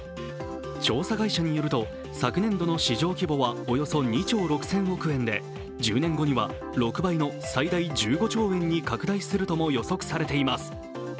調査会社によると、昨年度の市場規模はおよそ２兆６０００億円で１０年後には６倍の、最大１５兆円に拡大するとも予想されています。